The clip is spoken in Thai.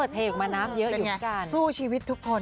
เป็นยังไงสู้ชีวิตทุกคน